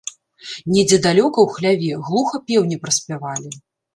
Недзе далёка, у хляве, глуха пеўні праспявалі.